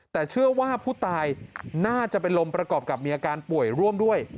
แต่เชื่อว่าผู้ตายน่าจะเป็นลมประกอบกับมีอาการป่วยร่วมด้วย